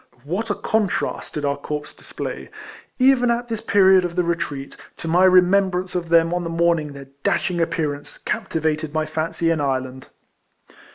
What a contrast did our corps display, even at this period of the retreat, to my remembrance of them on the morning their dashing appearance captivated my fancy in Ireland!